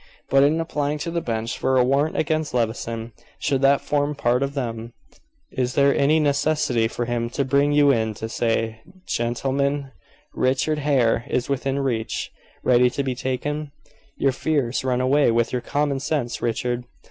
But, in applying to the bench for a warrant against Levison should that form part of them is there any necessity for him to bring you in to say: 'Gentlemen, Richard Hare is within reach, ready to be taken?' Your fears run away with your common sense, Richard."